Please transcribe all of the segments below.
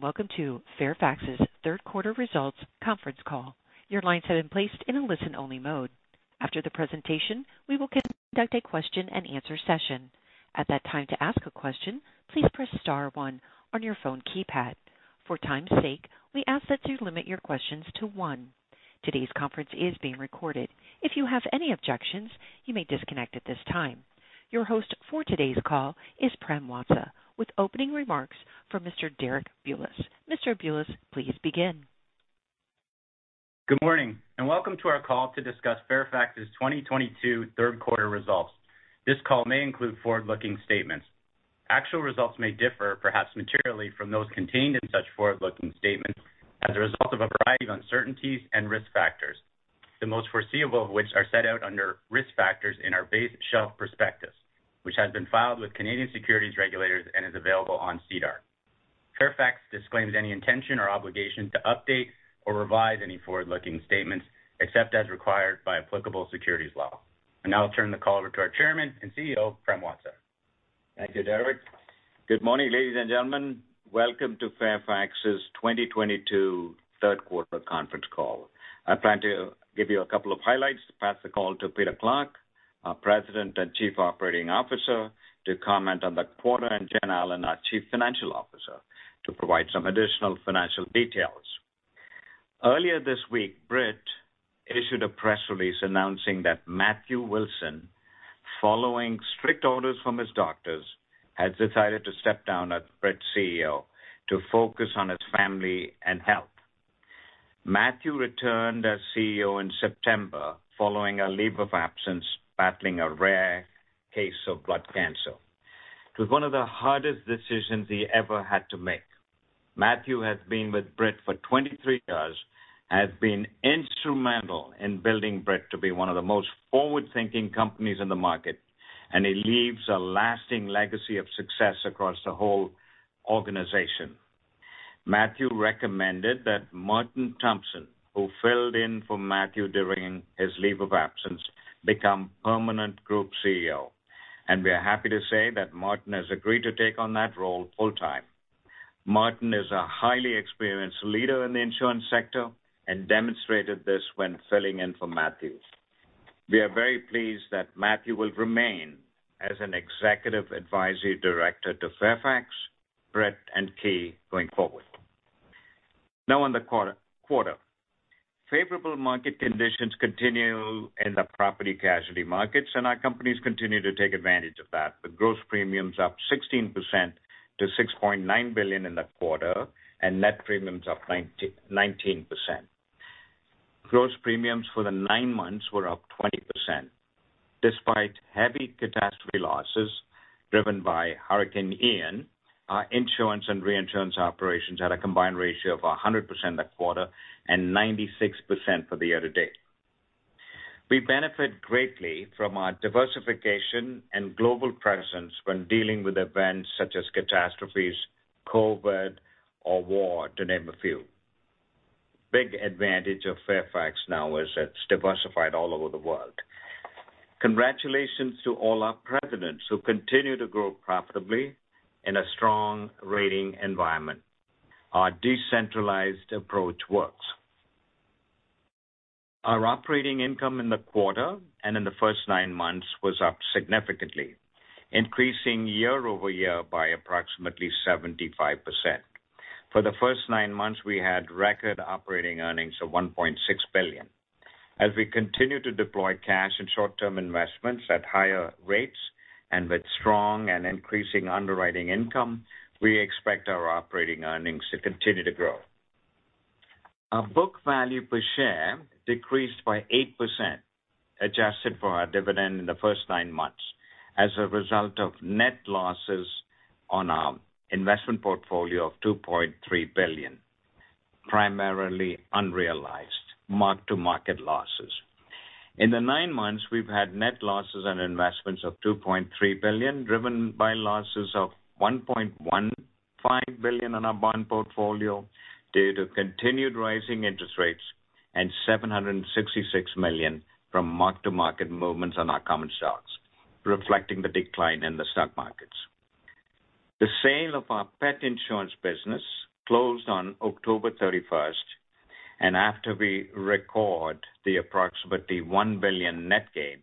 Welcome to Fairfax's third quarter results conference call. Your lines have been placed in a listen-only mode. After the presentation, we will conduct a question-and-answer session. At that time, to ask a question, please press star one on your phone keypad. For time's sake, we ask that you limit your questions to one. Today's conference is being recorded. If you have any objections, you may disconnect at this time. Your host for today's call is Prem Watsa, with opening remarks from Mr. Derek Bulas. Mr. Bulas, please begin. Good morning, and welcome to our call to discuss Fairfax's 2022 third quarter results. This call may include forward-looking statements. Actual results may differ, perhaps materially, from those contained in such forward-looking statements as a result of a variety of uncertainties and risk factors, the most foreseeable of which are set out under Risk Factors in our base shelf prospectus, which has been filed with Canadian Securities Administrators and is available on SEDAR. Fairfax disclaims any intention or obligation to update or revise any forward-looking statements, except as required by applicable securities law. I now turn the call over to our Chairman and CEO, Prem Watsa. Thank you, Derek. Good morning, ladies and gentlemen. Welcome to Fairfax's 2022 third quarter conference call. I plan to give you a couple of highlights, pass the call to Peter Clarke, our President and Chief Operating Officer, to comment on the quarter in general, and our Chief Financial Officer to provide some additional financial details. Earlier this week, Brit issued a press release announcing that Matthew Wilson, following strict orders from his doctors, has decided to step down as Brit's CEO to focus on his family and health. Matthew returned as CEO in September following a leave of absence battling a rare case of blood cancer. It was one of the hardest decisions he ever had to make. Matthew has been with Brit for 23 years, has been instrumental in building Brit to be one of the most forward-thinking companies in the market, and he leaves a lasting legacy of success across the whole organization. Matthew recommended that Martin Thompson, who filled in for Matthew during his leave of absence, become permanent group CEO, and we are happy to say that Martin has agreed to take on that role full-time. Martin is a highly experienced leader in the insurance sector and demonstrated this when filling in for Matthew. We are very pleased that Matthew will remain as an executive advisory director to Fairfax, Brit, and Ki going forward. Now on the quarter. Favorable market conditions continue in the property casualty markets, and our companies continue to take advantage of that. The gross premiums up 16% to $6.9 billion in the quarter, and net premiums up 19%. Gross premiums for the nine months were up 20%. Despite heavy catastrophe losses driven by Hurricane Ian, our insurance and reinsurance operations had a combined ratio of 100% that quarter and 96% for the year-to-date. We benefit greatly from our diversification and global presence when dealing with events such as catastrophes, COVID, or war, to name a few. Big advantage of Fairfax now is it's diversified all over the world. Congratulations to all our presidents who continue to grow profitably in a strong rating environment. Our decentralized approach works. Our operating income in the quarter and in the first nine months was up significantly, increasing year-over-year by approximately 75%. For the first nine months, we had record operating earnings of $1.6 billion. As we continue to deploy cash and short-term investments at higher rates and with strong and increasing underwriting income, we expect our operating earnings to continue to grow. Our book value per share decreased by 8%, adjusted for our dividend in the first nine months, as a result of net losses on our investment portfolio of $2.3 billion, primarily unrealized mark-to-market losses. In the nine months, we've had net losses on investments of $2.3 billion, driven by losses of $1.15 billion in our bond portfolio due to continued rising interest rates and $766 million from mark-to-market movements on our common stocks, reflecting the decline in the stock markets. The sale of our pet insurance business closed on October 31, and after we record the approximately $1 billion net gain,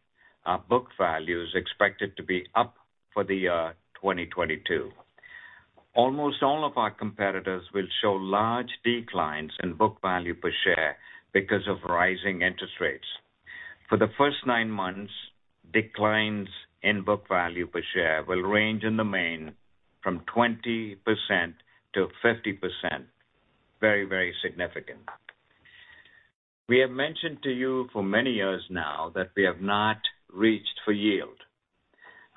our book value is expected to be up for the 2022. Almost all of our competitors will show large declines in book value per share because of rising interest rates. For the first nine months, declines in book value per share will range in the main from 20%-50%. Very, very significant. We have mentioned to you for many years now that we have not reached for yield.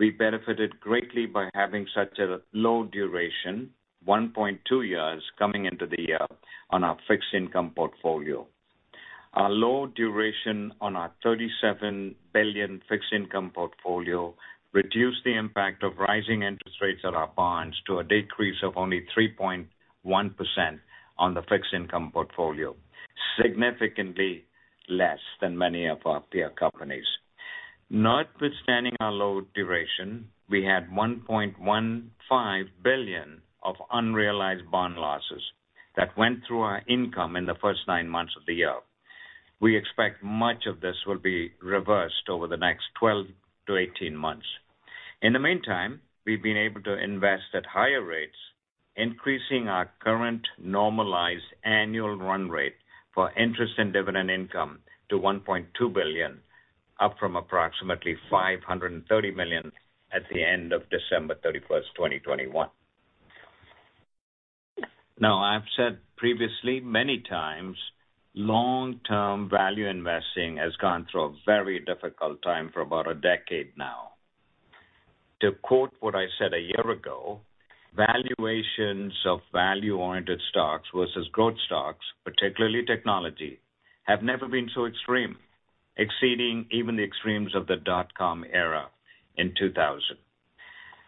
We benefited greatly by having such a low duration, 1.2 years, coming into the year on our fixed income portfolio. Our low duration on our $37 billion fixed income portfolio reduced the impact of rising interest rates on our bonds to a decrease of only 3.1% on the fixed income portfolio, significantly less than many of our peer companies. Notwithstanding our low duration, we had $1.15 billion of unrealized bond losses that went through our income in the first nine months of the year. We expect much of this will be reversed over the next 12-18 months. In the meantime, we've been able to invest at higher rates, increasing our current normalized annual run rate for interest and dividend income to $1.2 billion, up from approximately $530 million at the end of December 31, 2021. Now, I've said previously many times, long-term value investing has gone through a very difficult time for about a decade now. To quote what I said a year ago, "Valuations of value-oriented stocks versus growth stocks, particularly technology, have never been so extreme, exceeding even the extremes of the dot com era in 2000.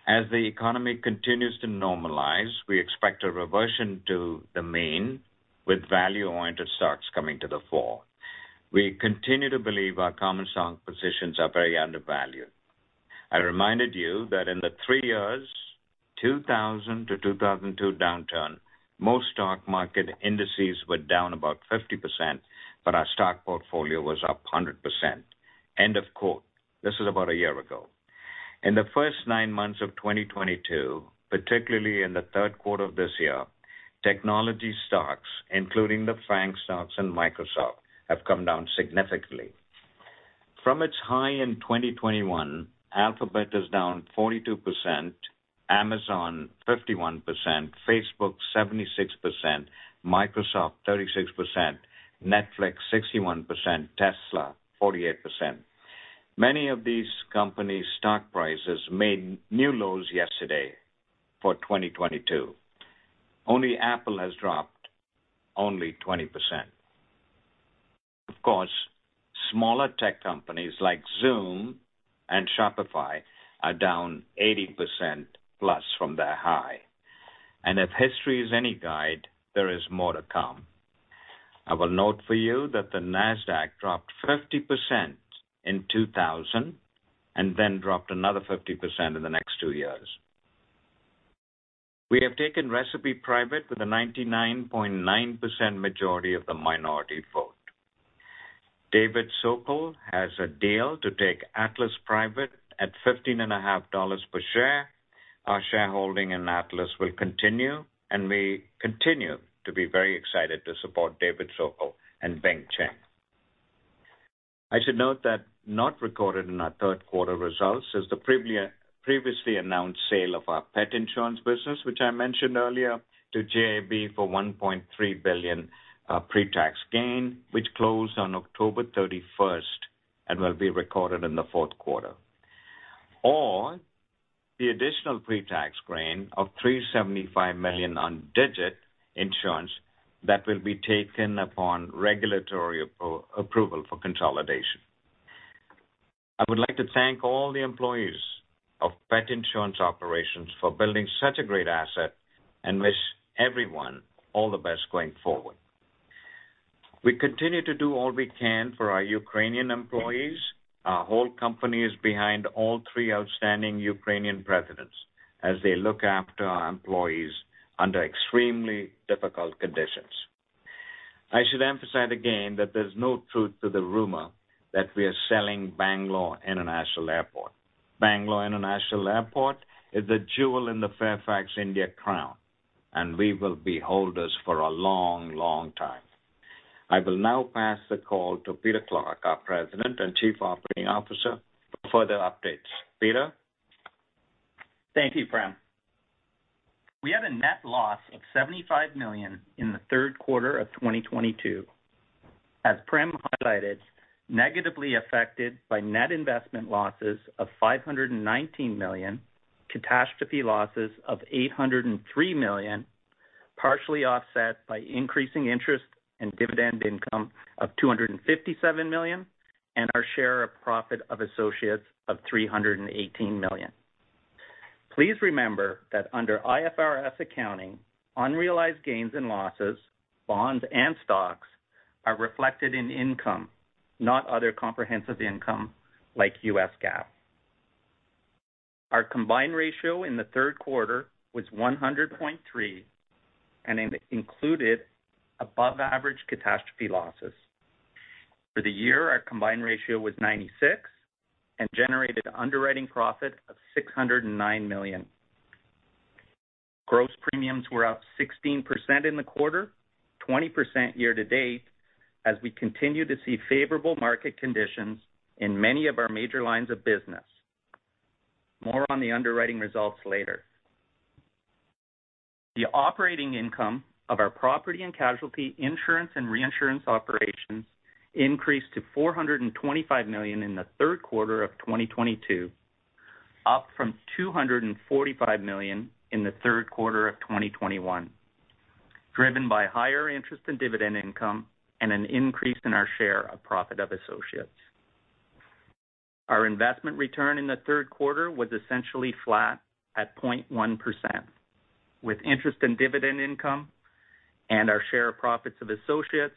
As the economy continues to normalize, we expect a reversion to the mean with value-oriented stocks coming to the fore. We continue to believe our common stock positions are very undervalued. I reminded you that in the three years, 2000 to 2002 downturn, most stock market indices were down about 50%, but our stock portfolio was up 100%". This is about a year ago. In the first nine months of 2022, particularly in the third quarter of this year, technology stocks, including the FANG stocks and Microsoft, have come down significantly. From its high in 2021, Alphabet is down 42%, Amazon 51%, Facebook 76%, Microsoft 36%, Netflix 61%, Tesla 48%. Many of these companies' stock prices made new lows yesterday for 2022. Only Apple has dropped only 20%. Of course, smaller tech companies like Zoom and Shopify are down 80% plus from their high. If history is any guide, there is more to come. I will note for you that the Nasdaq dropped 50% in 2000 and then dropped another 50% in the next two years. We have taken Recipe private with a 99.9% majority of the minority vote. David Sokol has a deal to take Atlas private at $15.50 per share. Our shareholding in Atlas will continue, and we continue to be very excited to support David Sokol and Bing Chen. I should note that not recorded in our third quarter results is the previously announced sale of our pet insurance business, which I mentioned earlier, to JAB for $1.3 billion pretax gain, which closed on October 31st and will be recorded in the fourth quarter. The additional pretax gain of $375 million on Digit Insurance that will be taken upon regulatory approval for consolidation. I would like to thank all the employees of pet insurance operations for building such a great asset and wish everyone all the best going forward. We continue to do all we can for our Ukrainian employees. Our whole company is behind all three outstanding Ukrainian operations as they look after our employees under extremely difficult conditions. I should emphasize again that there's no truth to the rumor that we are selling Bangalore International Airport. Bangalore International Airport is the jewel in the Fairfax India crown, and we will be holders for a long, long time. I will now pass the call to Peter Clarke, our President and Chief Operating Officer, for further updates. Peter? Thank you, Prem. We had a net loss of $75 million in the third quarter of 2022. As Prem highlighted, negatively affected by net investment losses of $519 million, catastrophe losses of $803 million, partially offset by increasing interest and dividend income of $257 million, and our share of profit of associates of $318 million. Please remember that under IFRS accounting, unrealized gains and losses, bonds and stocks, are reflected in income, not other comprehensive income like US GAAP. Our combined ratio in the third quarter was 100.3%, and it included above average catastrophe losses. For the year, our combined ratio was 96% and generated underwriting profit of $609 million. Gross premiums were up 16% in the quarter, 20% year to date, as we continue to see favorable market conditions in many of our major lines of business. More on the underwriting results later. The operating income of our property and casualty insurance and reinsurance operations increased to $425 million in the third quarter of 2022, up from $245 million in the third quarter of 2021, driven by higher interest and dividend income and an increase in our share of profit of associates. Our investment return in the third quarter was essentially flat at 0.1%, with interest and dividend income and our share of profits of associates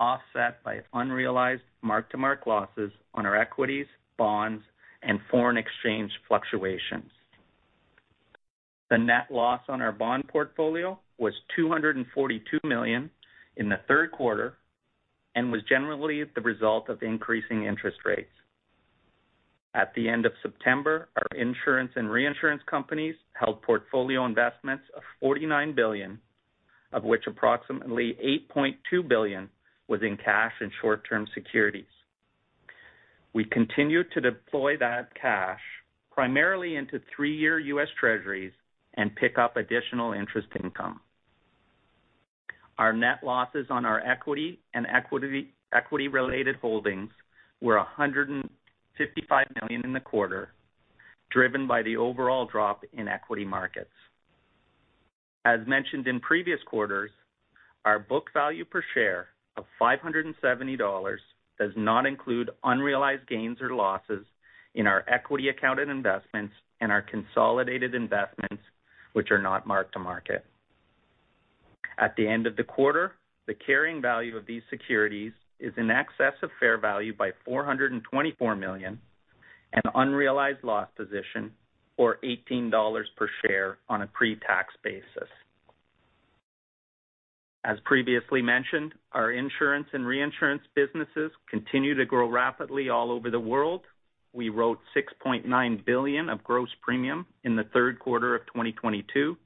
offset by unrealized mark-to-market losses on our equities, bonds, and foreign exchange fluctuations. The net loss on our bond portfolio was $242 million in the third quarter and was generally the result of increasing interest rates. At the end of September, our insurance and reinsurance companies held portfolio investments of $49 billion, of which approximately $8.2 billion was in cash and short-term securities. We continued to deploy that cash primarily into three-year U.S. Treasuries and pick up additional interest income. Our net losses on our equity and equity-related holdings were $155 million in the quarter, driven by the overall drop in equity markets. As mentioned in previous quarters, our book value per share of $570 does not include unrealized gains or losses in our equity accounted investments and our consolidated investments, which are not mark-to-market. At the end of the quarter, the carrying value of these securities is in excess of fair value by $424 million, an unrealized loss position, or $18 per share on a pre-tax basis. As previously mentioned, our insurance and reinsurance businesses continue to grow rapidly all over the world. We wrote $6.9 billion of gross premiums in the third quarter of 2022,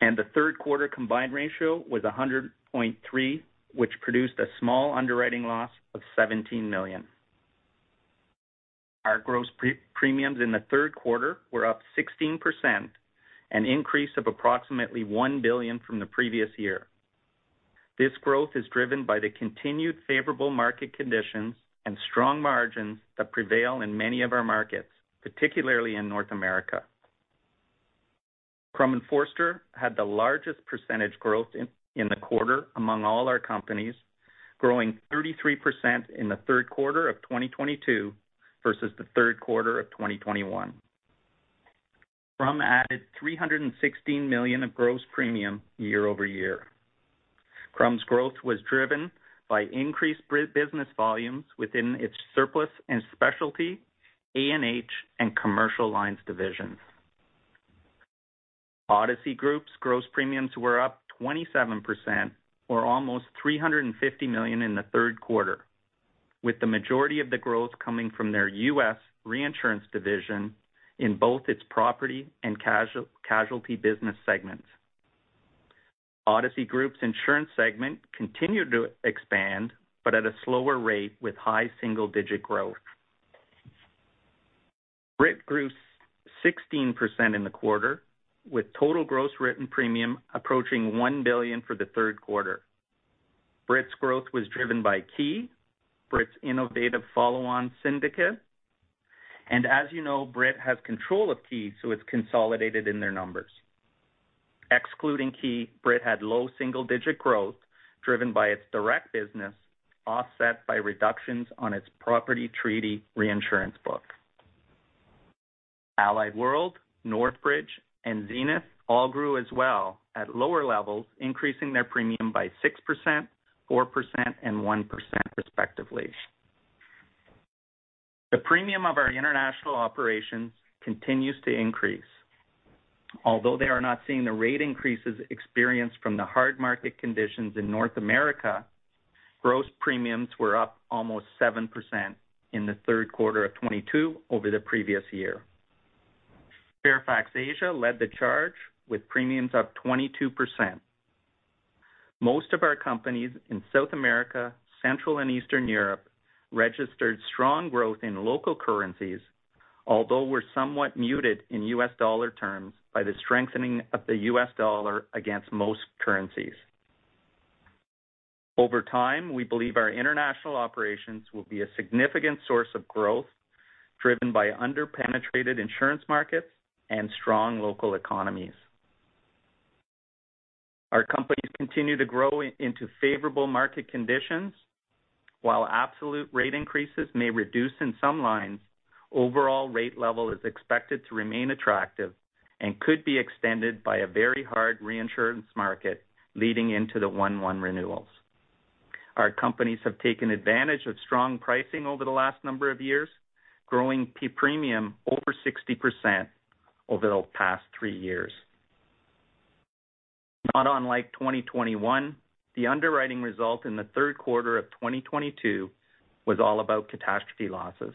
and the third quarter combined ratio was 100.3, which produced a small underwriting loss of $17 million. Our gross premiums in the third quarter were up 16%, an increase of approximately $1 billion from the previous year. This growth is driven by the continued favorable market conditions and strong margins that prevail in many of our markets, particularly in North America. Crum & Forster had the largest percentage growth in the quarter among all our companies, growing 33% in the third quarter of 2022 versus the third quarter of 2021. Crum added $316 million of gross premium year-over-year. Crum's growth was driven by increased by business volumes within its surplus and specialty, A&H, and commercial lines divisions. Odyssey Group's gross premiums were up 27% or almost $350 million in the third quarter, with the majority of the growth coming from their U.S. reinsurance division in both its property and casualty business segments. Odyssey Group's insurance segment continued to expand, but at a slower rate with high single-digit growth. Brit grew 16% in the quarter, with total gross written premium approaching $1 billion for the third quarter. Brit's growth was driven by Ki, Brit's innovative follow-on syndicate. As you know, Brit has control of Ki, so it's consolidated in their numbers. Excluding Ki, Brit had low single-digit growth driven by its direct business, offset by reductions on its property treaty reinsurance book. Allied World, Northbridge, and Zenith all grew as well at lower levels, increasing their premium by 6%, 4%, and 1% respectively. The premium of our international operations continues to increase. Although they are not seeing the rate increases experienced from the hard market conditions in North America, gross premiums were up almost 7% in the third quarter of 2022 over the previous year. Fairfax Asia led the charge with premiums up 22%. Most of our companies in South America, Central and Eastern Europe, registered strong growth in local currencies, although were somewhat muted in U.S. dollar terms by the strengthening of the U.S. dollar against most currencies. Over time, we believe our international operations will be a significant source of growth, driven by under-penetrated insurance markets and strong local economies. Our companies continue to grow into favorable market conditions. While absolute rate increases may reduce in some lines, overall rate level is expected to remain attractive and could be extended by a very hard reinsurance market leading into the 1/1 renewals. Our companies have taken advantage of strong pricing over the last number of years, growing premium over 60% over the past three years. Not unlike 2021, the underwriting result in the third quarter of 2022 was all about catastrophe losses.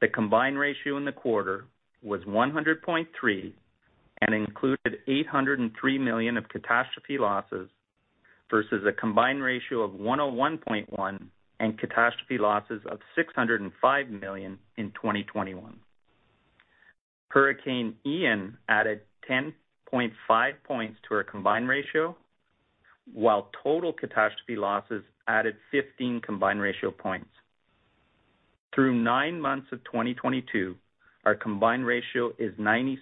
The combined ratio in the quarter was 100.3% and included $803 million of catastrophe losses versus a combined ratio of 101.1% and catastrophe losses of $605 million in 2021. Hurricane Ian added 10.5 points to our combined ratio, while total catastrophe losses added 15 combined ratio points. Through nine months of 2022, our combined ratio is 96%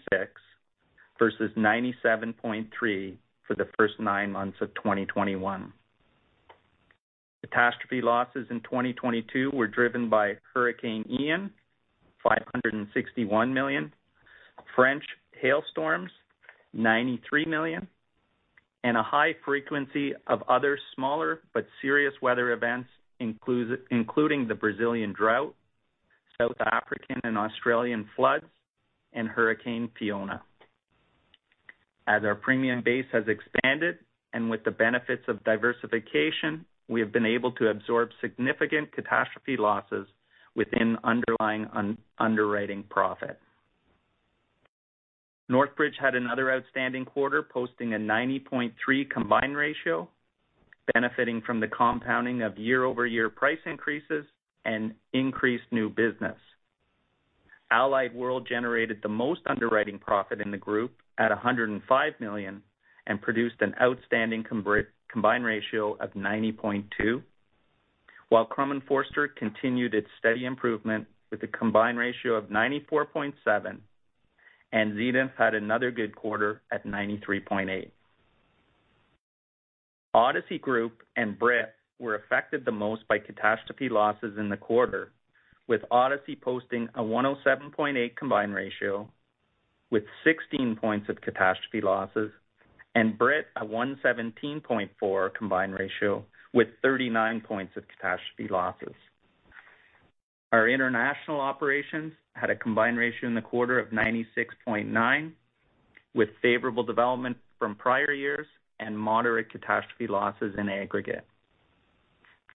versus 97.3% for the first nine months of 2021. Catastrophe losses in 2022 were driven by Hurricane Ian, $561 million, French hailstorms, $93 million, and a high frequency of other smaller but serious weather events, including the Brazilian drought, South African and Australian floods, and Hurricane Fiona. As our premium base has expanded and with the benefits of diversification, we have been able to absorb significant catastrophe losses within underlying underwriting profit. Northbridge had another outstanding quarter, posting a 90.3% combined ratio, benefiting from the compounding of year-over-year price increases and increased new business. Allied World generated the most underwriting profit in the group at $105 million and produced an outstanding combined ratio of 90.2%, while Crum & Forster continued its steady improvement with a combined ratio of 94.7%, and Zenith had another good quarter at 93.8%. Odyssey Group and Brit were affected the most by catastrophe losses in the quarter, with Odyssey posting a 107.8% combined ratio with 16 points of catastrophe losses and Brit a 117.4% combined ratio with 39 points of catastrophe losses. Our international operations had a combined ratio in the quarter of 96.9%, with favorable development from prior years and moderate catastrophe losses in aggregate.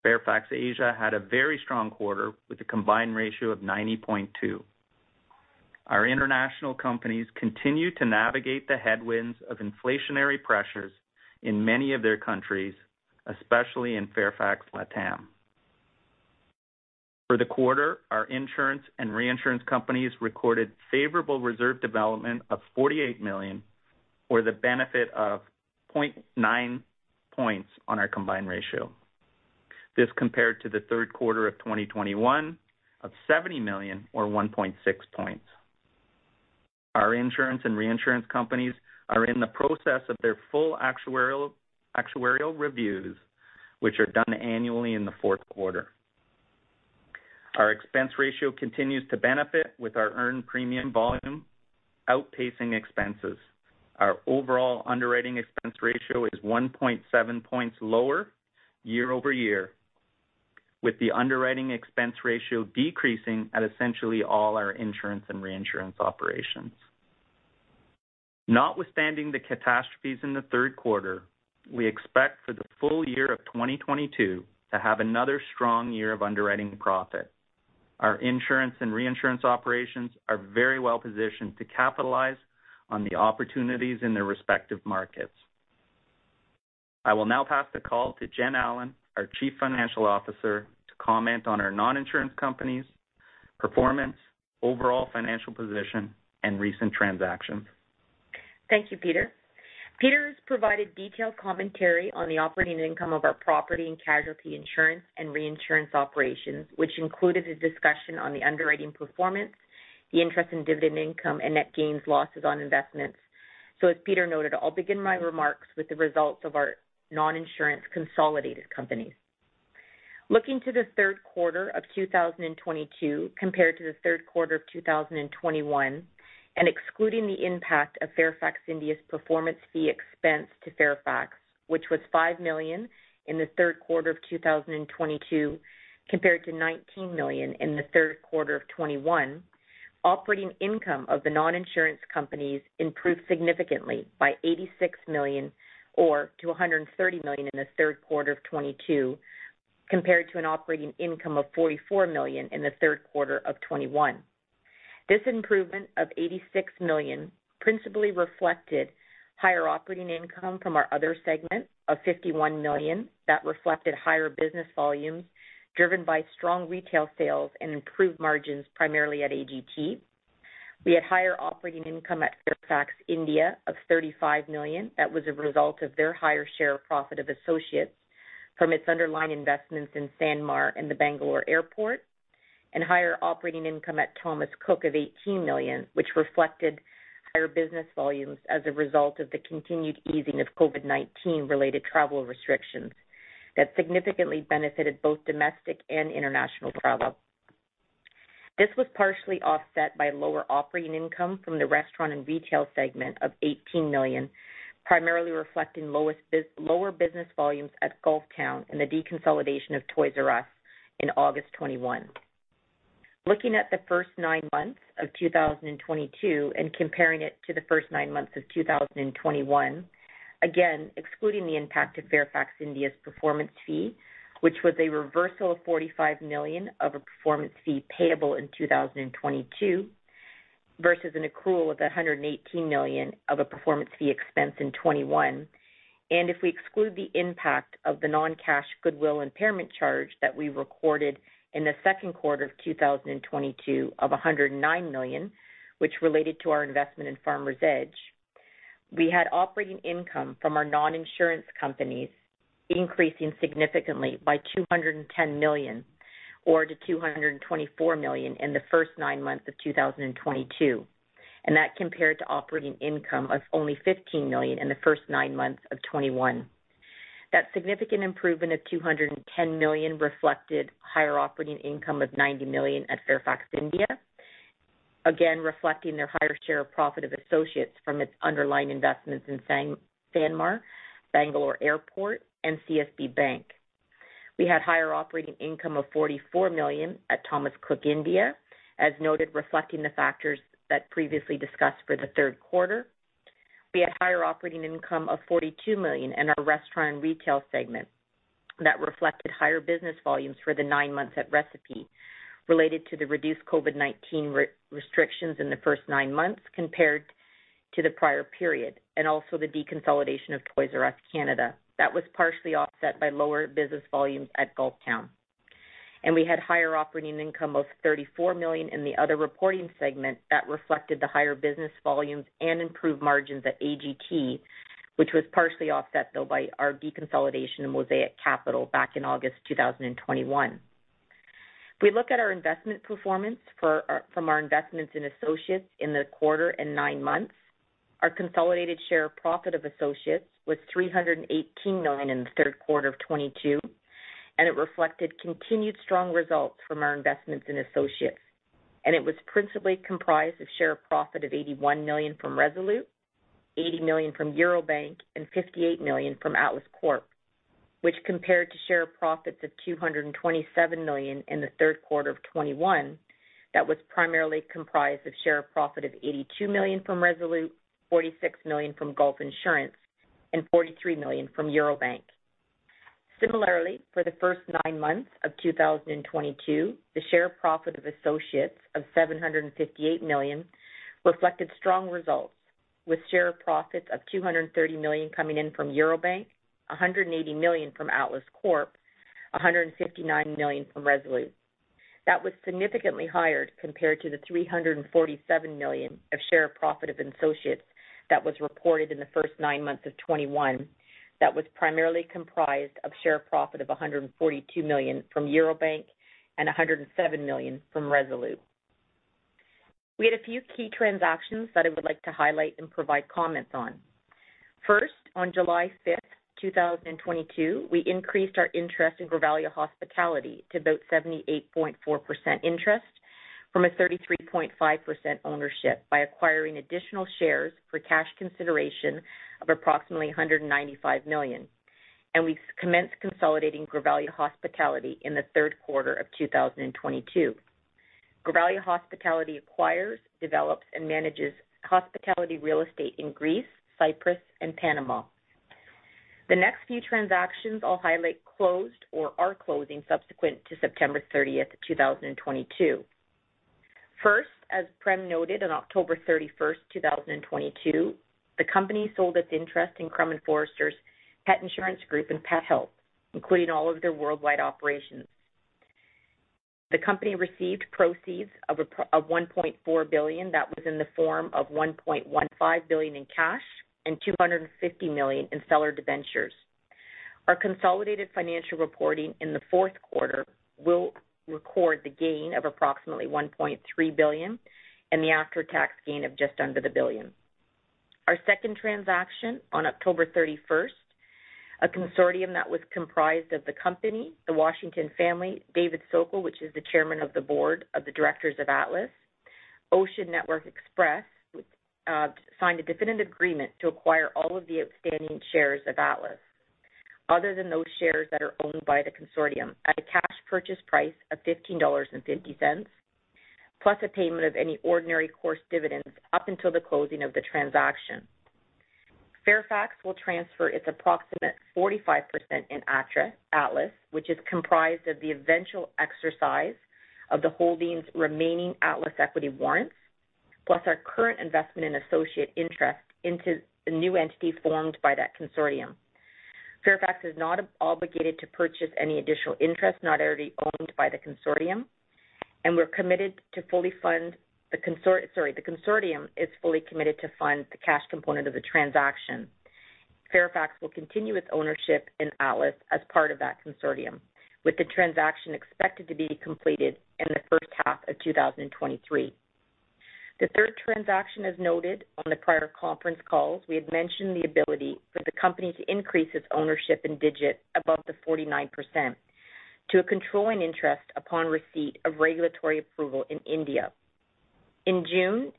Fairfax Asia had a very strong quarter with a combined ratio of 90.2.% Our international companies continue to navigate the headwinds of inflationary pressures in many of their countries, especially in Fairfax Latam. For the quarter, our insurance and reinsurance companies recorded favorable reserve development of $48 million, or the benefit of 0.9 points on our combined ratio. This compared to the third quarter of 2021 of $70 million or 1.6 points. Our insurance and reinsurance companies are in the process of their full actuarial reviews, which are done annually in the fourth quarter. Our expense ratio continues to benefit with our earned premium volume outpacing expenses. Our overall underwriting expense ratio is 1.7 points lower year-over-year, with the underwriting expense ratio decreasing at essentially all our insurance and reinsurance operations. Notwithstanding the catastrophes in the third quarter, we expect for the full year of 2022 to have another strong year of underwriting profit. Our insurance and reinsurance operations are very well positioned to capitalize on the opportunities in their respective markets. I will now pass the call to Jennifer Allen, our Chief Financial Officer, to comment on our non-insurance companies' performance, overall financial position, and recent transactions. Thank you, Peter. Peter has provided detailed commentary on the operating income of our property and casualty insurance and reinsurance operations, which included a discussion on the underwriting performance, the interest and dividend income, and net gains and losses on investments. As Peter noted, I'll begin my remarks with the results of our non-insurance consolidated companies. Looking to the third quarter of 2022 compared to the third quarter of 2021, and excluding the impact of Fairfax India's performance fee expense to Fairfax, which was $5 million in the third quarter of 2022, compared to $19 million in the third quarter of 2021. Operating income of the non-insurance companies improved significantly by $86 million to $130 million in the third quarter of 2022, compared to an operating income of $44 million in the third quarter of 2021. This improvement of $86 million principally reflected higher operating income from our other segment of $51 million that reflected higher business volumes driven by strong retail sales and improved margins, primarily at AGT. We had higher operating income at Fairfax India of $35 million. That was a result of their higher share of profit of associates from its underlying investments in Sanmar and the Bangalore airport, and higher operating income at Thomas Cook of $18 million, which reflected higher business volumes as a result of the continued easing of COVID-19 related travel restrictions that significantly benefited both domestic and international travel. This was partially offset by lower operating income from the restaurant and retail segment of $18 million, primarily reflecting lower business volumes at Golf Town and the deconsolidation of Toys R Us in August 2021. Looking at the first nine months of 2022 and comparing it to the first nine months of 2021, again, excluding the impact of Fairfax India's performance fee, which was a reversal of $45 million of a performance fee payable in 2022 versus an accrual of $118 million of a performance fee expense in 2021. If we exclude the impact of the non-cash goodwill impairment charge that we recorded in the second quarter of 2022 of $109 million, which related to our investment in Farmers Edge, we had operating income from our non-insurance companies increasing significantly by $210 million or to $224 million in the first nine months of 2022. That compared to operating income of only $15 million in the first nine months of 2021. That significant improvement of $210 million reflected higher operating income of $90 million at Fairfax India, again reflecting their higher share of profit of associates from its underlying investments in Sanmar, Bangalore Airport and CSB Bank. We had higher operating income of $44 million at Thomas Cook India, as noted, reflecting the factors that previously discussed for the third quarter. We had higher operating income of $42 million in our restaurant and retail segment. That reflected higher business volumes for the nine months at Recipe related to the reduced COVID-19 restrictions in the first nine months compared to the prior period, and also the deconsolidation of Toys "R" Us Canada. That was partially offset by lower business volumes at Golf Town. We had higher operating income of $34 million in the other reporting segment that reflected the higher business volumes and improved margins at AGT, which was partially offset, though, by our deconsolidation in Mosaic Capital back in August 2021. If we look at our investment performance from our investments in associates in the quarter and nine months, our consolidated share of profit of associates was $318 million in the third quarter of 2022, and it reflected continued strong results from our investments in associates. It was principally comprised of share of profit of $81 million from Resolute, $80 million from Eurobank, and $58 million from Atlas Corp, which compared to share of profits of $227 million in the third quarter of 2021, that was primarily comprised of share of profit of $82 million from Resolute, $46 million from Gulf Insurance, and $43 million from Eurobank. Similarly, for the first nine months of 2022, the share of profit of associates of $758 million reflected strong results, with share of profits of $230 million coming in from Eurobank, $180 million from Atlas Corp., $159 million from Resolute. That was significantly higher compared to the $347 million of share of profit of associates that was reported in the first nine months of 2021. That was primarily comprised of share of profit of $142 million from Eurobank and $107 million from Resolute. We had a few key transactions that I would like to highlight and provide comments on. First, on July 5th, 2022, we increased our interest in Grivalia Hospitality to about 78.4% interest from a 33.5% ownership by acquiring additional shares for cash consideration of approximately $195 million. We've commenced consolidating Grivalia Hospitality in the third quarter of 2022. Grivalia Hospitality acquires, develops, and manages hospitality real estate in Greece, Cyprus, and Panama. The next few transactions I'll highlight closed or are closing subsequent to September 30th, 2022. First, as Prem noted, on October 31st, 2022, the company sold its interest in Crum & Forster's Pet Insurance Group and Pethealth, including all of their worldwide operations. The company received proceeds of $1.4 billion that was in the form of $1.15 billion in cash and $250 million in seller debentures. Our consolidated financial reporting in the fourth quarter will record the gain of approximately $1.3 billion and the after-tax gain of just under $1 billion. Our second transaction on October 31, a consortium that was comprised of the company, the Washington family, David Sokol, which is the chairman of the board of directors of Atlas, Ocean Network Express, signed a definitive agreement to acquire all of the outstanding shares of Atlas, other than those shares that are owned by the consortium at a cash purchase price of $15.50, plus a payment of any ordinary course dividends up until the closing of the transaction. Fairfax will transfer its approximate 45% in Atlas, which is comprised of the eventual exercise of the Holdings' remaining Atlas equity warrants, plus our current investment in associate interest into the new entity formed by that consortium. Fairfax is not obligated to purchase any additional interest not already owned by the consortium, and the consortium is fully committed to fund the cash component of the transaction. Fairfax will continue its ownership in Atlas as part of that consortium, with the transaction expected to be completed in the first half of 2023. The third transaction, as noted on the prior conference calls, we had mentioned the ability for the company to increase its ownership in Digit above the 49% to a controlling interest upon receipt of regulatory approval in India. In June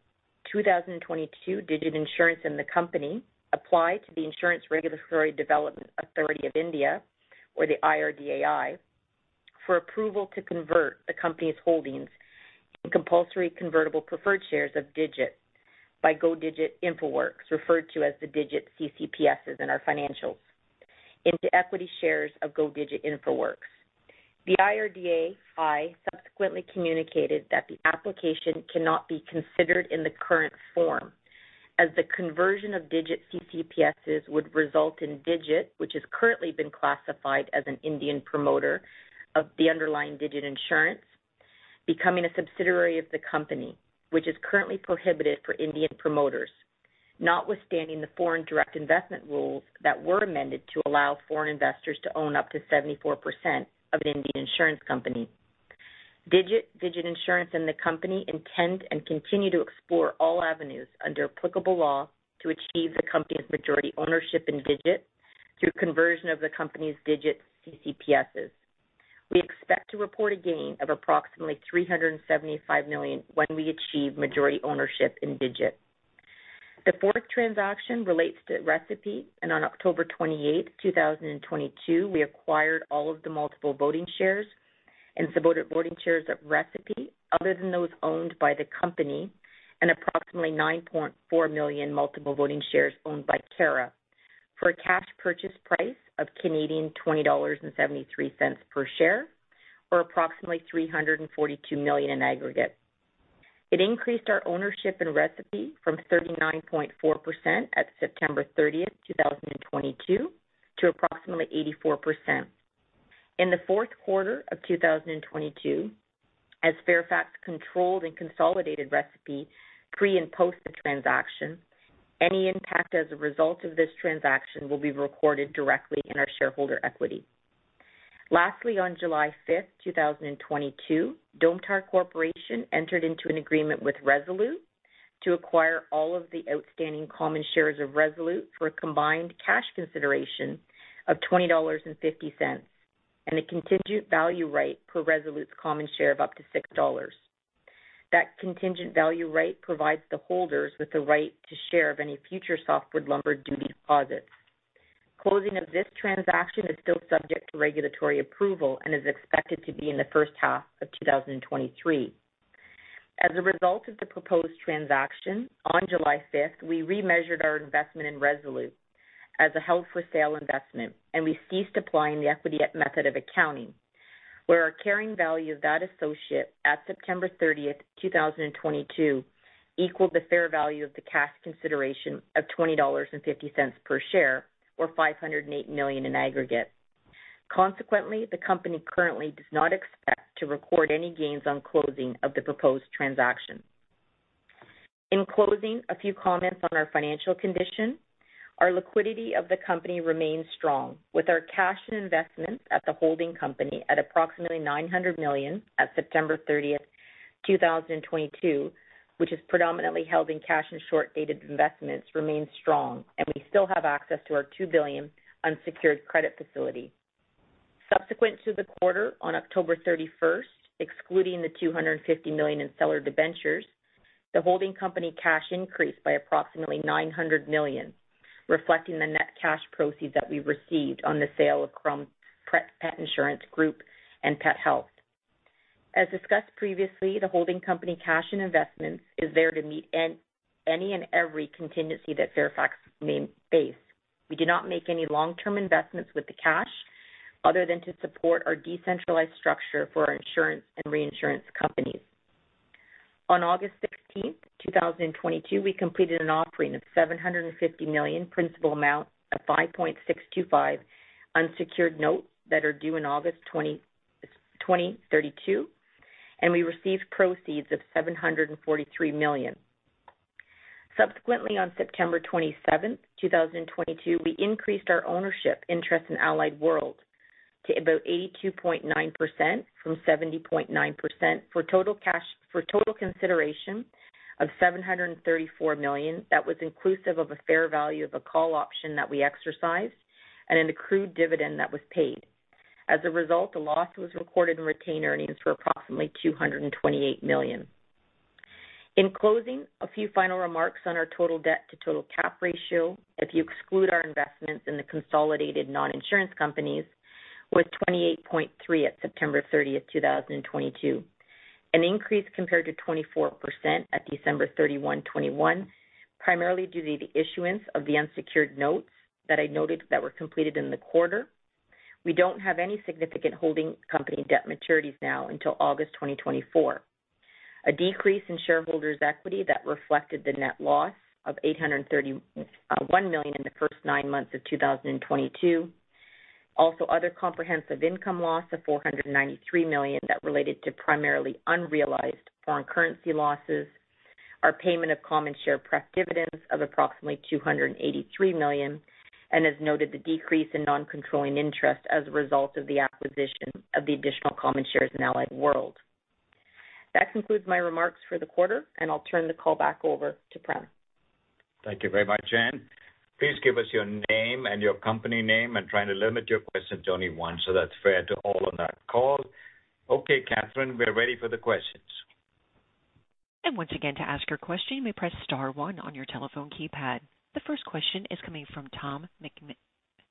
2022, Digit Insurance and the company applied to the Insurance Regulatory and Development Authority of India or the IRDAI, for approval to convert the company's holdings in compulsory convertible preferred shares of Digit by Go Digit Infoworks, referred to as the Digit CCPSs in our financials, into equity shares of Go Digit Infoworks. The IRDAI subsequently communicated that the application cannot be considered in the current form, as the conversion of Digit CCPSs would result in Digit, which has currently been classified as an Indian promoter of the underlying Digit Insurance, becoming a subsidiary of the company, which is currently prohibited for Indian promoters. Notwithstanding the foreign direct investment rules that were amended to allow foreign investors to own up to 74% of an Indian insurance company. Digit Insurance and the company intend and continue to explore all avenues under applicable law to achieve the company's majority ownership in Digit Insurance through conversion of the company's Digit CCPSs. We expect to report a gain of approximately $375 million when we achieve majority ownership in Digit Insurance. The fourth transaction relates to Recipe. On October 28, 2022, we acquired all of the multiple voting shares and subordinate voting shares of Recipe other than those owned by the company and approximately 9.4 million multiple voting shares owned by Cara for a cash purchase price of 20.73 Canadian dollars per share or approximately 342 million in aggregate. It increased our ownership in Recipe from 39.4% at September 30th, 2022 to approximately 84%. In the fourth quarter of 2022, as Fairfax controlled and consolidated Recipe pre- and post- the transaction, any impact as a result of this transaction will be recorded directly in our shareholder equity. Lastly, on July 5th, 2022, Domtar Corporation entered into an agreement with Resolute to acquire all of the outstanding common shares of Resolute for a combined cash consideration of $20.50 and a contingent value right per Resolute's common share of up to $6. That contingent value right provides the holders with the right to share of any future softwood lumber duty deposits. Closing of this transaction is still subject to regulatory approval and is expected to be in the first half of 2023. As a result of the proposed transaction, on July 5th, we remeasured our investment in Resolute as a held-for-sale investment, and we ceased applying the equity method of accounting, where our carrying value of that associate at September 30th, 2022 equaled the fair value of the cash consideration of $20.50 per share or $508 million in aggregate. Consequently, the company currently does not expect to record any gains on closing of the proposed transaction. In closing, a few comments on our financial condition. Our liquidity of the company remains strong with our cash and investments at the holding company at approximately $900 million at September 30th, 2022, which is predominantly held in cash and short-dated investments remain strong, and we still have access to our $2 billion unsecured credit facility. Subsequent to the quarter on October 31st, excluding the $250 million in seller debentures, the holding company cash increased by approximately $900 million, reflecting the net cash proceeds that we received on the sale of Crum & Forster Pet Insurance Group and Pethealth. As discussed previously, the holding company cash and investments is there to meet any and every contingency that Fairfax may face. We do not make any long-term investments with the cash other than to support our decentralized structure for our insurance and reinsurance companies. On August 16th, 2022, we completed an offering of $750 million principal amount of 5.625% unsecured notes that are due in August 20, 2032, and we received proceeds of $743 million. Subsequently, on September 27th, 2022, we increased our ownership interest in Allied World to about 82.9% from 70.9% for total consideration of $734 million that was inclusive of a fair value of a call option that we exercised and an accrued dividend that was paid. As a result, a loss was recorded in retained earnings for approximately $228 million. In closing, a few final remarks on our total debt to total cap ratio. If you exclude our investments in the consolidated non-insurance companies, it was 28.3% at September 30th, 2022, an increase compared to 24% at December 31, 2021, primarily due to the issuance of the unsecured notes that I noted that were completed in the quarter. We don't have any significant holding company debt maturities now until August 2024. A decrease in shareholders' equity that reflected the net loss of $831 million in the first nine months of 2022. Also other comprehensive income loss of $493 million that related to primarily unrealized foreign currency losses. Our payment of common share preferred dividends of approximately $283 million. As noted, the decrease in non-controlling interest as a result of the acquisition of the additional common shares in Allied World. That concludes my remarks for the quarter, and I'll turn the call back over to Prem. Thank you very much, Jen. Please give us your name and your company name and try to limit your questions to only one so that's fair to all on that call. Okay, Catherine, we're ready for the questions. Once again, to ask your question, you may press star one on your telephone keypad. The first question is coming from Tom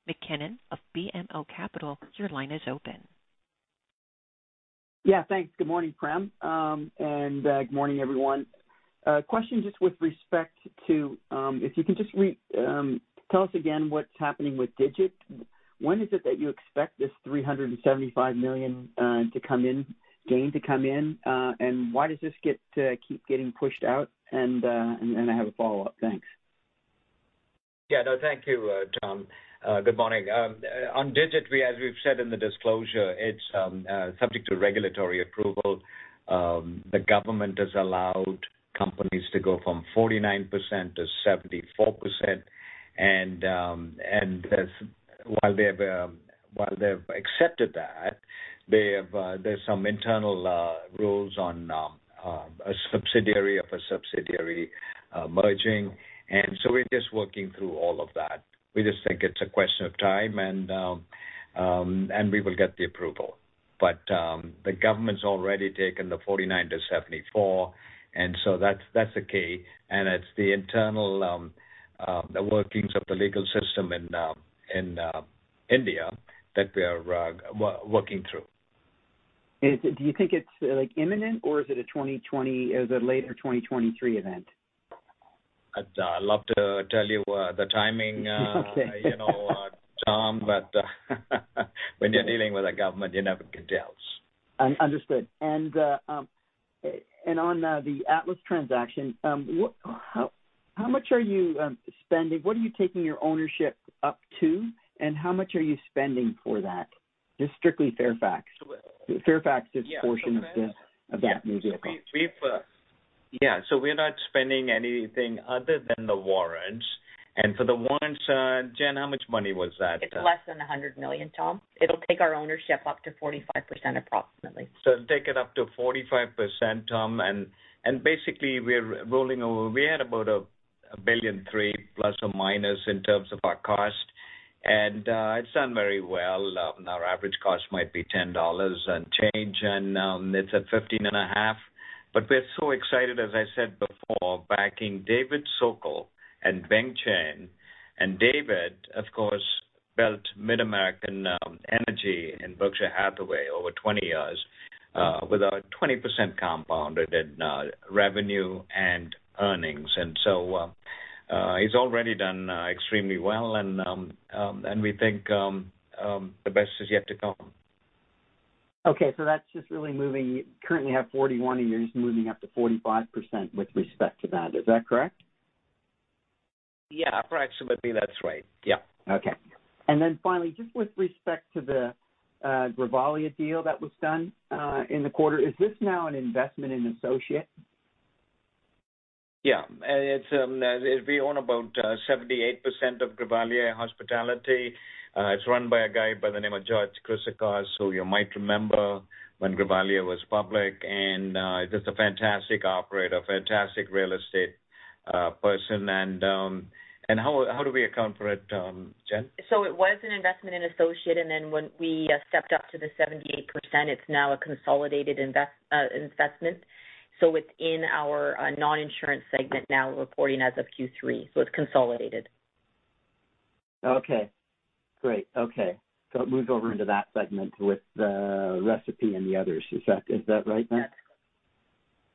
MacKinnon of BMO Capital. Your line is open. Yeah, thanks. Good morning, Prem. Good morning, everyone. Question just with respect to if you can just tell us again what's happening with Digit. When is it that you expect this $375 million income gain to come in? Why does this keep getting pushed out? I have a follow-up. Thanks. Yeah. No, thank you, Tom. Good morning. On Digit, as we've said in the disclosure, it's subject to regulatory approval. The government has allowed companies to go from 49% to 74%. While they've accepted that, there are some internal rules on a subsidiary of a subsidiary merging. We're just working through all of that. We just think it's a question of time and we will get the approval. The government's already taken the 49% to 74%, and that's the key, and it's the internal workings of the legal system in India that we are working through. Do you think it's, like, imminent, or is it a later 2023 event? I'd love to tell you the timing. Okay. You know, Tom, when you're dealing with a government, you never can tell. Understood. On the Atlas transaction, how much are you spending? What are you taking your ownership up to, and how much are you spending for that? Just strictly Fairfax. So, uh- The Fairfax's portion of the of that new vehicle. Yeah. We're not spending anything other than the warrants. For the warrants, Jen, how much money was that? It's less than $100 million, Tom. It'll take our ownership up to 45%, approximately. It'll take it up to 45%, Tom. Basically we're rolling over. We had about $1.3 billion plus or minus in terms of our cost. It's done very well. Our average cost might be $10 and change, and it's at $15.50. But we're so excited, as I said before, backing David Sokol and Bing Chen. David, of course, built MidAmerican Energy and Berkshire Hathaway over 20 years with a 20% compounder in revenue and earnings. He's already done extremely well, and we think the best is yet to come. Okay, that's just really moving. Currently, you have 41%, and you're just moving up to 45% with respect to that. Is that correct? Yeah. Approximately, that's right. Yeah. Okay. Finally, just with respect to the Grivalia deal that was done in the quarter, is this now an investment in associate? We own about 78% of Grivalia Hospitality. It's run by a guy by the name of George Chryssikos, who you might remember when Grivalia was public. He's just a fantastic operator, fantastic real estate person. How do we account for it, Jen? It was an investment in associate, and then when we stepped up to the 78%, it's now a consolidated investment. It's in our non-insurance segment now reporting as of Q3, so it's consolidated. Okay, great. Okay. It moves over into that segment with the Recipe and the others. Is that right, Jen?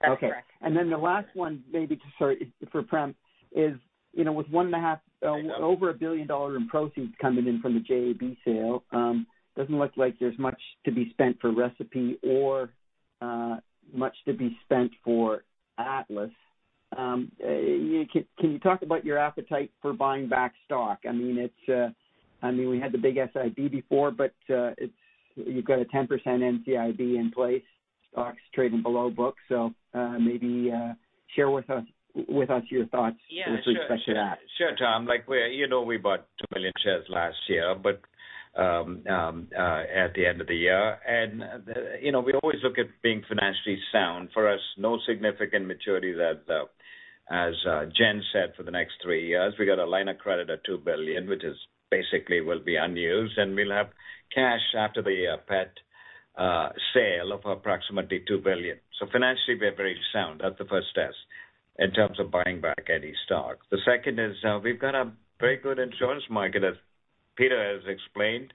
That's correct. Okay. The last one, maybe just sorry, for Prem, is, you know, with $1.5 billion in proceeds coming in from the JAB sale, doesn't look like there's much to be spent for Recipe or much to be spent for Atlas. Can you talk about your appetite for buying back stock? I mean, it's, I mean, we had the big SIB before, but it's you've got a 10% NCIB in place. Stock's trading below books, so maybe share with us your thoughts. Yeah. Sure. With respect to that. Sure, Tom. Like we're, you know, we bought 2 million shares last year, but at the end of the year. You know, we always look at being financially sound. For us, no significant maturities, as Jen said, for the next three years. We got a line of credit at $2 billion, which basically will be unused, and we'll have cash after the Pet sale of approximately $2 billion. So financially, we're very sound. That's the first test in terms of buying back any stock. The second is, we've got a very good insurance market, as Peter has explained.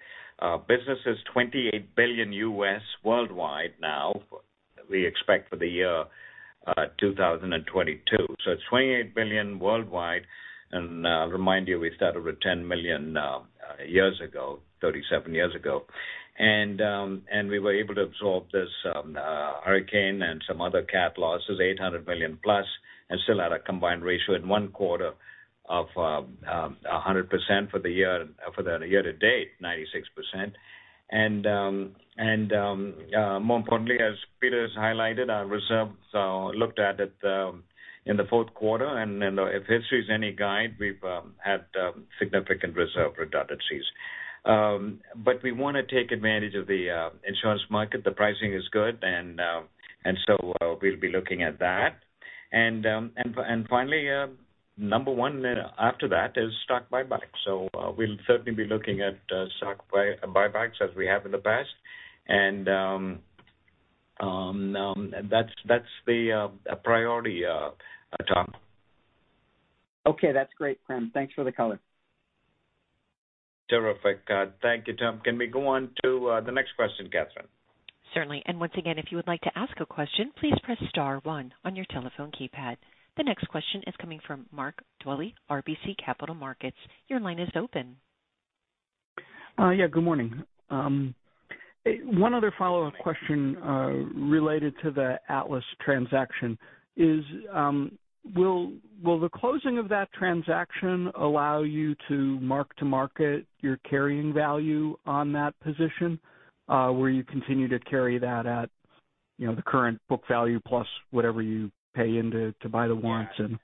Business is $28 billion worldwide now, we expect for the year 2022. So it's $28 billion worldwide, and remind you, we started with $10 million 37 years ago. We were able to absorb this hurricane and some other cat losses, $800 billion plus, and still had a combined ratio in one quarter of 100% for the year, for the year to date, 96%. More importantly, as Peter highlighted, our reserves looked at it in the fourth quarter, and then if history is any guide, we've had significant reserve redundancies. We wanna take advantage of the insurance market. The pricing is good and we'll be looking at that. Finally, number one after that is stock buyback. We'll certainly be looking at stock buybacks as we have in the past. That's the priority, Tom. Okay. That's great, Prem. Thanks for the color. Terrific. Thank you, Tom. Can we go on to the next question, Catherine? Certainly. Once again, if you would like to ask a question, please press star one on your telephone keypad. The next question is coming from Mark Dwelle, RBC Capital Markets. Your line is open. Yeah, good morning. One other follow-up question related to the Atlas transaction is, will the closing of that transaction allow you to mark to market your carrying value on that position, where you continue to carry that at, you know, the current book value plus whatever you pay into to buy the warrants and?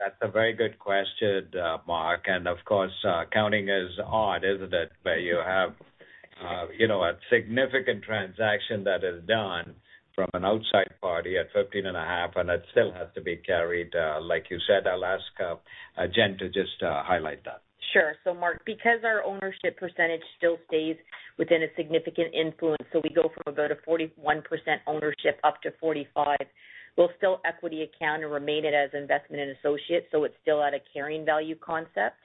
That's a very good question, Mark. Of course, accounting is odd, isn't it, where you have, you know, a significant transaction that is done from an outside party at $15.5, and it still has to be carried, like you said, I'll ask Jen to just highlight that. Sure. Mark, because our ownership percentage still stays within a significant influence, we go from about a 41% ownership up to 45%, we'll still equity account and remain it as investment and associates, it's still at a carrying value concept.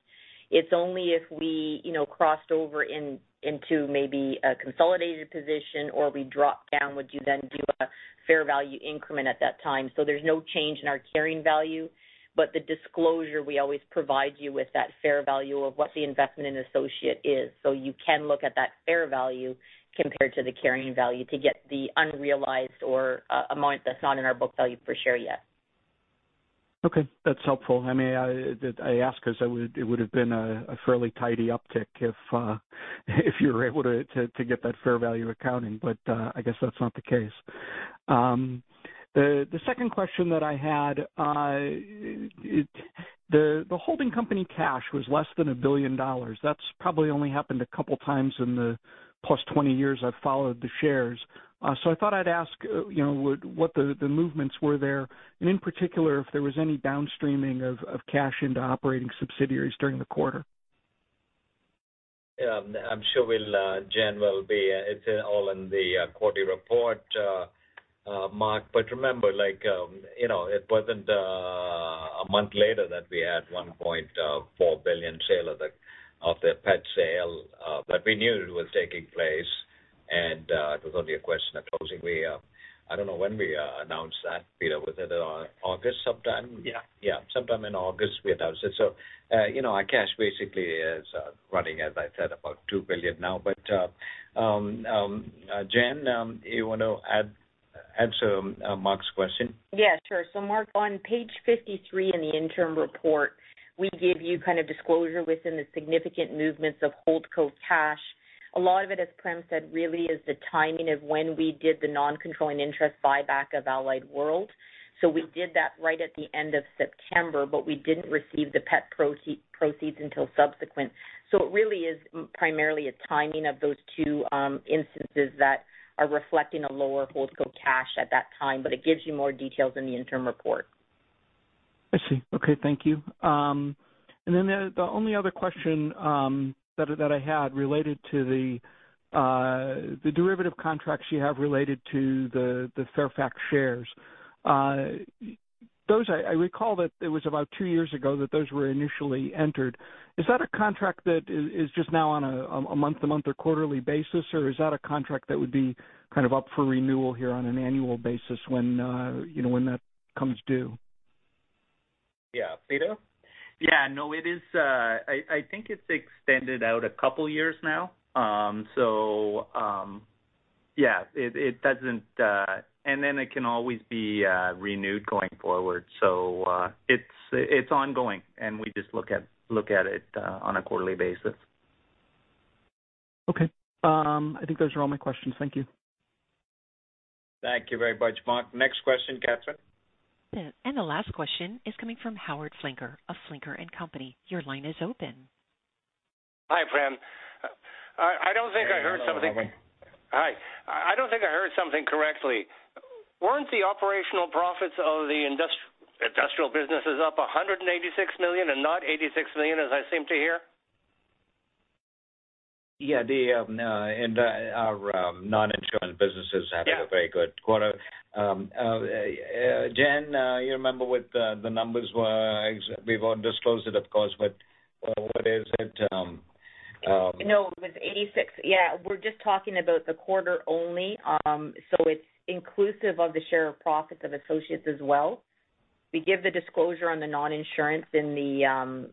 It's only if we, you know, crossed over in, into maybe a consolidated position or we drop down, would you then do a fair value increment at that time. There's no change in our carrying value, but the disclosure we always provide you with that fair value of what the investment in associate is. You can look at that fair value compared to the carrying value to get the unrealized or amount that's not in our book value per share yet. Okay, that's helpful. I mean, I ask because it would have been a fairly tidy uptick if you're able to get that fair value accounting, but I guess that's not the case. The second question that I had, the holding company cash was less than $1 billion. That's probably only happened a couple times in the +20 years I've followed the shares. So I thought I'd ask, you know, what the movements were there, and in particular, if there was any downstreaming of cash into operating subsidiaries during the quarter. Yeah, I'm sure we'll Jen will be, it's all in the quarterly report, Mark. But remember, like, you know, it wasn't a month later that we had $1.4 billion sale of the pet sale, but we knew it was taking place. It was only a question of closing. I don't know when we announced that, Peter. Was it August sometime? Yeah. Sometime in August we announced it. You know, our cash basically is running, as I said, about $2 billion now. Jen, you want to answer Mark's question? Yeah, sure. Mark, on page 53 in the interim report, we give you kind of disclosure within the significant movements of holdco cash. A lot of it, as Prem said, really is the timing of when we did the non-controlling interest buyback of Allied World. We did that right at the end of September, but we didn't receive the net proceeds until subsequent. It really is primarily a timing of those two instances that are reflecting a lower holdco cash at that time, but it gives you more details in the interim report. I see. Okay, thank you. And then the only other question that I had related to the derivative contracts you have related to the Fairfax shares. Those I recall that it was about two years ago that those were initially entered. Is that a contract that is just now on a month-to-month or quarterly basis, or is that a contract that would be kind of up for renewal here on an annual basis when you know, when that comes due? Yeah. Peter? Yeah. No, it is. I think it's extended out a couple years now. Yeah, it doesn't, and then it can always be renewed going forward. It's ongoing, and we just look at it on a quarterly basis. Okay. I think those are all my questions. Thank you. Thank you very much, Mark. Next question, Catherine. The last question is coming from Howard Flinker of Flinker & Co. Your line is open. Hi, Prem. I don't think I heard something. Hey, hello, Howard. Hi. I don't think I heard something correctly. Weren't the operational profits of the industrial businesses up $186 million and not $86 million, as I seem to hear? Yeah, in our non-insurance businesses- Yeah Had a very good quarter. Jen, you remember what the numbers were? We won't disclose it, of course, but what is it? No, it was $86 million. Yeah, we're just talking about the quarter only. It's inclusive of the share of profits of associates as well. We give the disclosure on the non-insurance in the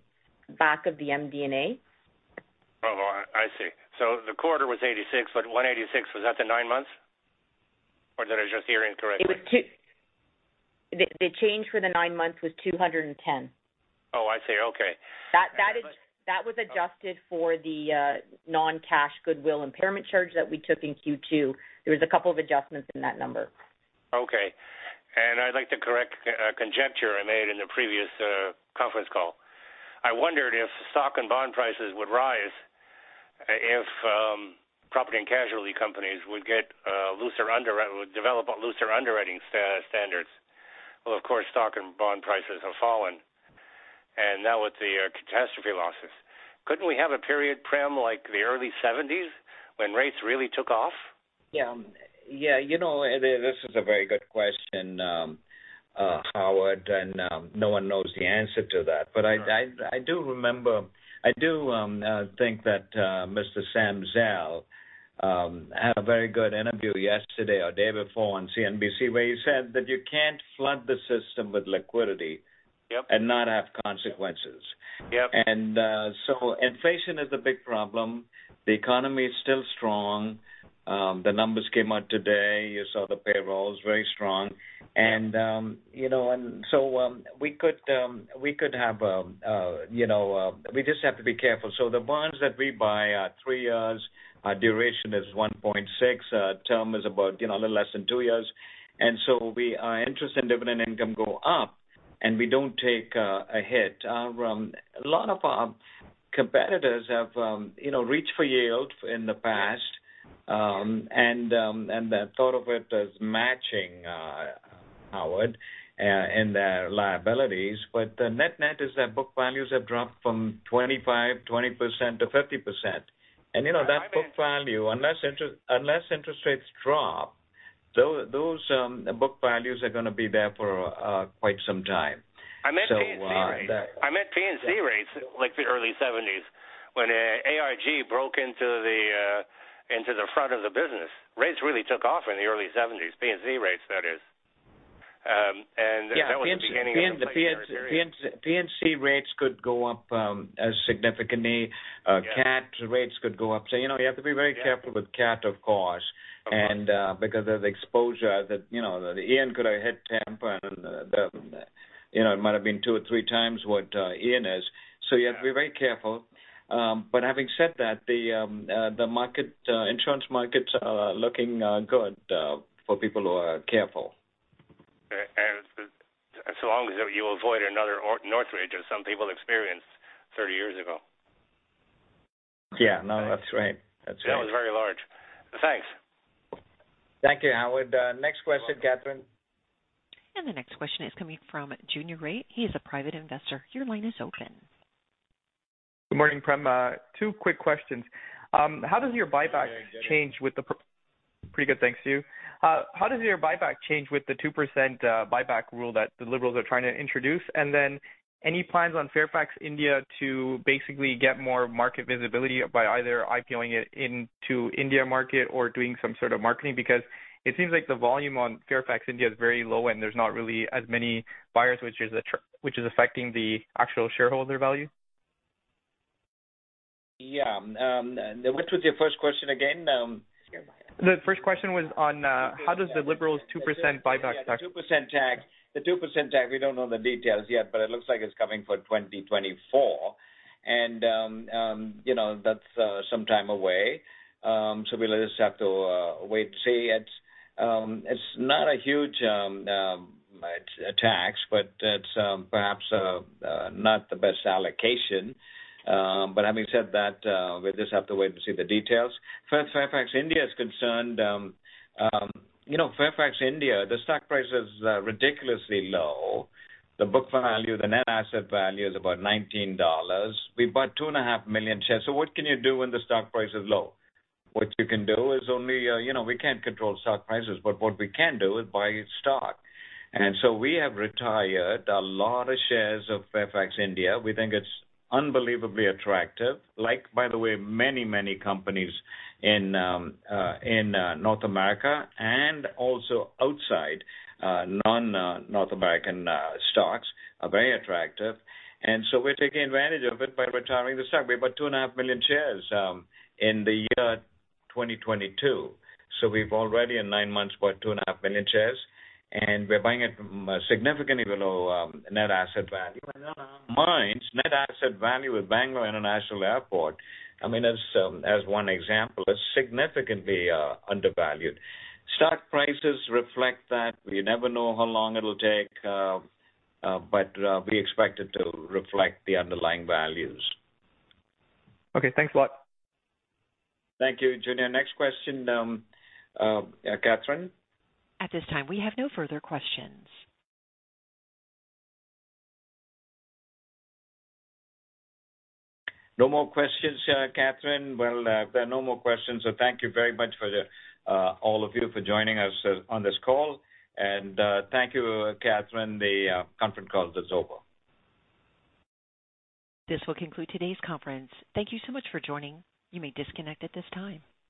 back of the MD&A. Oh, I see. The quarter was $86 million, but $186 million, was that the nine months? Or did I just hear incorrectly? The change for the nine months was $210 million. Oh, I see. Okay. That was adjusted for the non-cash goodwill impairment charge that we took in Q2. There was a couple of adjustments in that number. Okay. I'd like to correct a conjecture I made in the previous conference call. I wondered if stock and bond prices would rise if property and casualty companies would develop looser underwriting standards. Well, of course, stock and bond prices have fallen. Now with the catastrophe losses, couldn't we have a period, Prem, like the early seventies, when rates really took off? Yeah. You know, this is a very good question, Howard, and no one knows the answer to that. I do remember. I do think that Mr. Sam Zell had a very good interview yesterday or day before on CNBC where he said that you can't flood the system with liquidity... Yep. And not have consequences. Yep. Inflation is the big problem. The economy is still strong. The numbers came out today. You saw the payrolls, very strong. We just have to be careful. The bonds that we buy are three years. Our duration is 1.6 years. Term is about, you know, a little less than two years. Our interest and dividend income go up, and we don't take a hit. A lot of our competitors have reached for yield in the past and then thought of it as matching Howard in their liabilities. The net-net is that book values have dropped from 25%,20%-50%. You know, that book value, unless interest rates drop, those book values are gonna be there for quite some time. I meant P&C rates like the early 1970s when AIG broke into the front of the business. Rates really took off in the early 1970s, P&C rates, that is. That was the beginning of like the hard period. Yeah, P&C rates could go up significantly. CAT rates could go up. You know, you have to be very careful with CAT, of course. Because of the exposure that you know Ian could have hit Tampa and you know it might have been two or three times what Ian is. You have to be very careful. But having said that, the insurance markets are looking good for people who are careful. So long as you avoid another Northridge as some people experienced 30 years ago. Yeah, no, that's right. That's right. That was very large. Thanks. Thank you, Howard. Next question, Catherine. The next question is coming from Junior Reit. He is a private investor. Your line is open. Good morning, Prem. Two quick questions. Pretty good, thanks to you. How does your buyback change with the 2% buyback rule that the Liberals are trying to introduce? Any plans on Fairfax India to basically get more market visibility by either IPOing it into India market or doing some sort of marketing? Because it seems like the volume on Fairfax India is very low, and there's not really as many buyers, which is affecting the actual shareholder value. Yeah, which was your first question again? The first question was on how does the Liberals' 2% buyback tax. The 2% tax, we don't know the details yet, but it looks like it's coming for 2024. You know, that's some time away. We'll just have to wait and see. It's not a huge tax, but it's perhaps not the best allocation. Having said that, we'll just have to wait to see the details. As for Fairfax India is concerned, you know, Fairfax India, the stock price is ridiculously low. The book value, the net asset value is about $19. We bought 2.5 million shares. What can you do when the stock price is low? What you can do is only, you know, we can't control stock prices, but what we can do is buy stock. We have retired a lot of shares of Fairfax India. We think it's unbelievably attractive, like, by the way, many, many companies in North America and also outside non-North American stocks are very attractive. We're taking advantage of it by retiring the stock. We bought 2.5 million shares in the year 2022. We've already in nine months bought 2.5 million shares, and we're buying it at significantly below net asset value. In our minds, net asset value of Bangalore International Airport, I mean, as one example, is significantly undervalued. Stock prices reflect that. We never know how long it'll take, but we expect it to reflect the underlying values. Okay, thanks a lot. Thank you, Junior. Next question, Catherine. At this time, we have no further questions. No more questions, Catherine? Well, there are no more questions, so thank you very much for all of you for joining us on this call. Thank you, Catherine. The conference call is over. This will conclude today's conference. Thank you so much for joining. You may disconnect at this time.